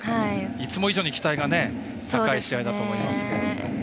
いつも以上に期待が高い試合だと思いますが。